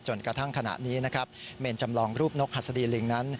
จนกระทั่งขณะนี้นะครับเมนจำลองรูปนกหัสดีลิงนั้น